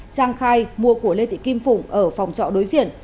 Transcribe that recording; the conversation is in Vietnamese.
trang khai mua của lê thị kim phụng ở phòng trọ đối diện